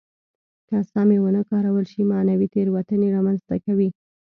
که سمې ونه کارول شي معنوي تېروتنې را منځته کوي.